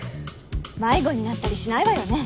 迷子になったりしないわよね？